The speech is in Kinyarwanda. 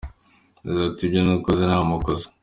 Yagize ati “Ibyo nakoze ni amakosa.